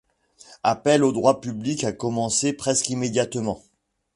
Appels au droit public a commencé presque immédiatement.